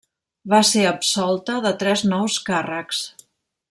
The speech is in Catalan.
Va ser absolta de tres nous càrrecs.